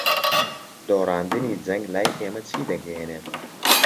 دۆڕاندنی جەنگ لای ئێمە چی دەگەیەنێت؟